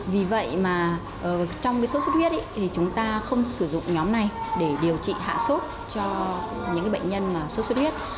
vì vậy mà trong cái sốt huyết thì chúng ta không sử dụng nhóm này để điều trị hạ sốt cho những bệnh nhân sốt huyết